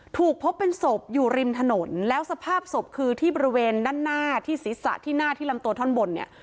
ถูกพบเป็นศพอยู่ริมถนนแล้วสภาพศพคือที่บริเวณด้านหน้าที่ศีรษะที่หน้าที่ลำตัวท่อนบนเนี่ย